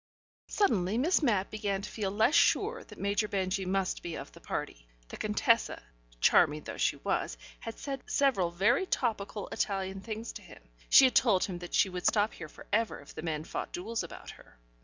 Suddenly Miss Mapp began to feel less sure that Major Benjy must be of the party. The Contessa, charming though she was, had said several very tropical, Italian things to him. She had told him that she would stop here for ever if the men fought duels about her.